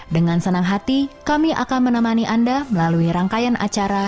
dengan senang hati kami akan menemani anda melalui rangkaian acara